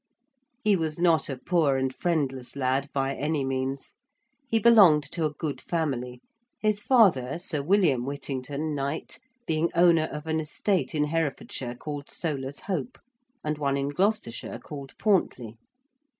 He was not a poor and friendless lad by any means. He belonged to a good family, his father, Sir William Whittington, Knight, being owner of an estate in Herefordshire called Soler's Hope, and one in Gloucestershire called Pauntley.